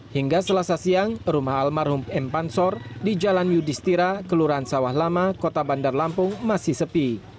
hingga selasa siang rumah almarhum m pansor di jalan yudhistira kelurahan sawah lama kota bandar lampung masih sepi